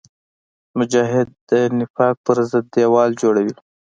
مجاهد د نفاق پر ضد دیوال جوړوي.